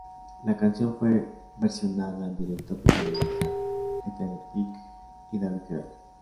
La canción fue versionada en directo por Melissa Etheridge y David Gray.